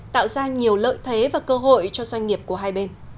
tạo ra nhiều lợi thế và cơ hội cho doanh nghiệp của hai bên